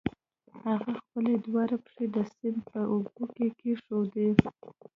هغې خپلې دواړه پښې د سيند په اوبو کې کېښودې.